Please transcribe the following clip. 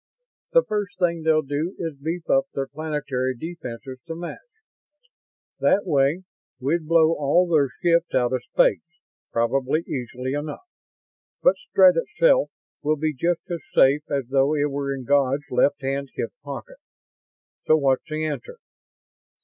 The first thing they'll do is beef up their planetary defenses to match. That way, we'd blow all their ships out of space, probably easily enough, but Strett itself will be just as safe as though it were in God's left hand hip pocket. So what's the answer?"